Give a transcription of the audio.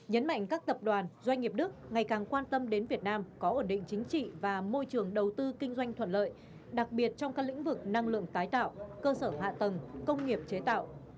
nhấn mạnh các tập đoàn doanh nghiệp đức ngày càng quan tâm đến việt nam có ổn định chính trị và môi trường đầu tư kinh doanh thuận lợi đặc biệt trong các lĩnh vực năng lượng tái tạo cơ sở hạ tầng công nghiệp chế tạo